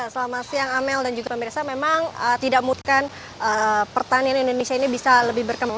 selamat siang amel dan juga pemirsa memang tidak mutkan pertanian indonesia ini bisa lebih berkembang